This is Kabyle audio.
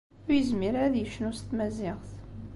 Ur yezmir ara ad yecnu s tmaziɣt.